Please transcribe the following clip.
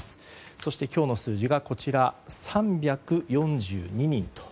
そして、今日の数字が３４２人。